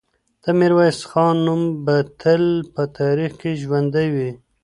د میرویس خان نوم به تل په تاریخ کې ژوندی وي.